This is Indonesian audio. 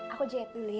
aku jahit dulu ya